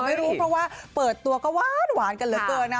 ไม่รู้เพราะว่าเปิดตัวก็หวานกันเหลือเกินนะ